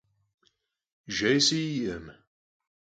Jjêy si'ekhım.